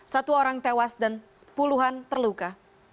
satu orang tewas dan puluhan terluka